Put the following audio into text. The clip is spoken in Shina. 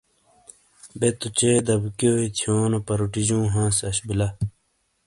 بے تو چے دبیکیوئی تھیونو پروٹیجوں ہانس اش بلہ۔